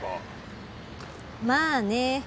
まあね。